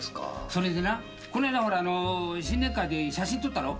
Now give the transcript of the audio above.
それでなこの間新年会で写真撮ったろ？